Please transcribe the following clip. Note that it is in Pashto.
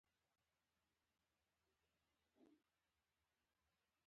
حم باور مې نشي.